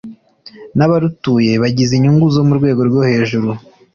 n abarutuye bagize inyungu zo mu rwego rwo hejuru